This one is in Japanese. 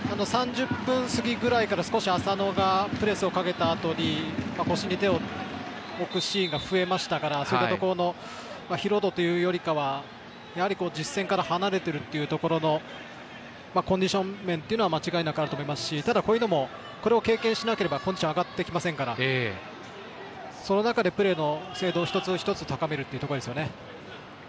３０分過ぎぐらいから少し浅野がプレスをかけたあとに腰に手を置くシーンが増えましたから疲労度っていうよりかは実戦から離れてるっていうところのコンディション面は間違いなくあると思いますがこれを経験しないとコンディションが上がってきませんからその中で、プレーの精度を一つ一つ高めるっていうところですよね。